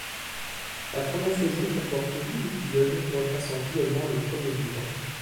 La première saison comporte huit épisodes retraçant fidèlement le premier livre.